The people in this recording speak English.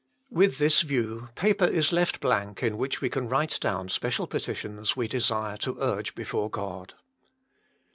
With this view paper is left blank in which we can write down special petitions \ve desire to urge before God.